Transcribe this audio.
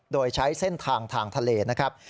โดยใช้เส้นทางทางทะเลนะครับ